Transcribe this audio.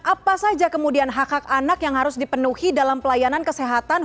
apa saja kemudian hak hak anak yang harus dipenuhi dalam pelayanan kesehatan